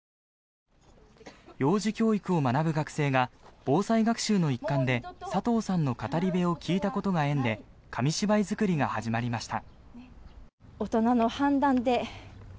幼児教育を学ぶ学生が防災学習の一環で佐藤さんの語り部を聞いたことが縁で紙芝居作りが始まりました。